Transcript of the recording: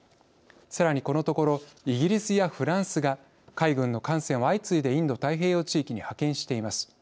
さらに、このところイギリスやフランスが海軍の艦船を相次いでインド太平洋地域に派遣しています。